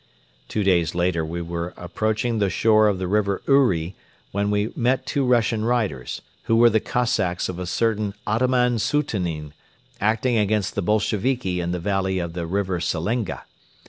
Two days later we were approaching the shore of the River Uri when we met two Russian riders, who were the Cossacks of a certain Ataman Sutunin, acting against the Bolsheviki in the valley of the River Selenga.